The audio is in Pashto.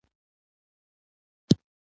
يو خوي به دې ادکې مور شي.